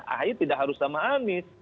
ahy tidak harus sama anies